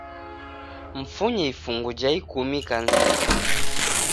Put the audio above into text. Mfunye ifungu ja ikumi ikanisenyi